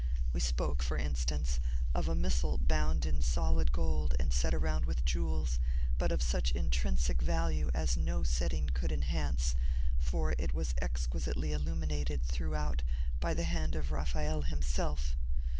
We spoke, for instance, of a missal bound in solid gold and set around with jewels, but of such intrinsic value as no setting could enhance, for it was exquisitely illuminated, throughout, by the hand of Raphael himself.